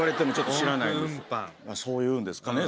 そう言うんですかね？